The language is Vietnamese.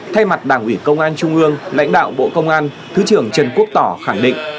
thay mặt đảng ủy công an trung ương lãnh đạo bộ công an thứ trưởng trần quốc tỏ khẳng định